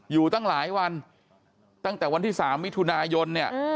อยู่ตั้งหลายวันตั้งแต่วันที่๓มิถุนายนเนี่ย